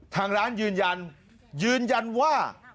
ทางร้านยืนยันยืนยันว่า